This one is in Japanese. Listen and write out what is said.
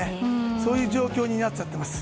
そういう状況になっちゃっています。